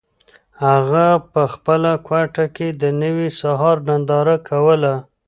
هغه په خپله کوټه کې د نوي سهار ننداره کوله.